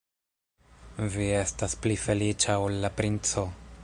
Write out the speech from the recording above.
Vi estas pli feliĉa ol la princo.